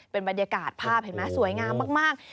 เป็นบรรยากาศภาพสวยงามมาก